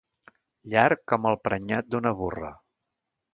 Llarg com el prenyat d'una burra.